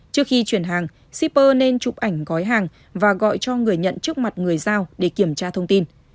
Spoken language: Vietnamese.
trước khi chuyển hàng shipper nên chụp ảnh gói hàng và gọi cho người nhận trước mặt người giao để kiểm tra thông tin